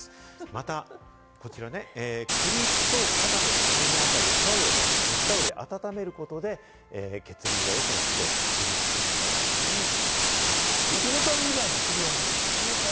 またこちら、首と肩の境目あたりを蒸しタオルで温めることで、血流がよくなって、自律神経が整うという効果もどういうタイミングで？